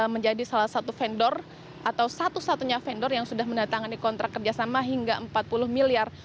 menjadi salah satu vendor atau satu satunya vendor yang sudah mendatangani kontrak kerjasama hingga empat puluh miliar